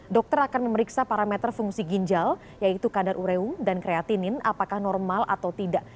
dokter akan memeriksa parameter fungsi ginjal yaitu kadar ureum dan kreatinin apakah normal atau tidak